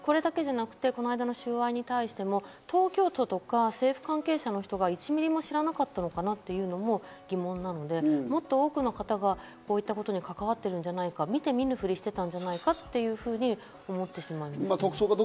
これだけじゃなくて、この間の収賄に対しても東京都とか、政府関係者の人が１ミリも知らなかったのかなっていうのも疑問なので、もっと多くの方がこういったことに関わってるんじゃないか、見て見ぬふりしてたんじゃないかっていうふうに思ってしまいます。